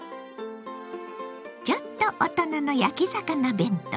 ちょっと大人の焼き魚弁当。